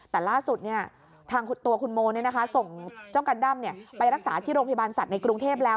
แต่ล่าสุดเนี่ยทางตัวคุณโมนเนี่ยนะคะส่งเจ้ากันดัมเนี่ยไปรักษาที่โรงพยาบาลสัตว์ในกรุงเทพแล้ว